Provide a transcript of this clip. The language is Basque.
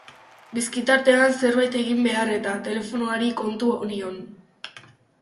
Bizkitartean zerbait egin behar-eta, telefonoari kontu nion.